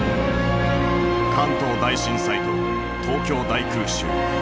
関東大震災と東京大空襲。